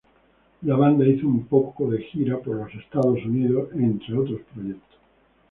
La banda hizo un poco de gira por los Estados Unidos entre otros proyectos.